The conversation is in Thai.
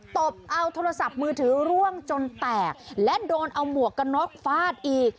ตบเอาโทรศัพท์มือถือร่วงจนแตกและโดนเอาหมวกกระน็อกฟาดอีก